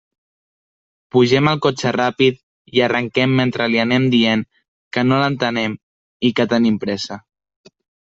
Pugem al cotxe ràpid i arrenquem mentre li anem dient que no l'entenem i que tenim pressa.